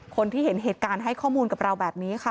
คนที่เห็นเหตุการณ์ให้ข้อมูลกับเราแบบนี้ค่ะ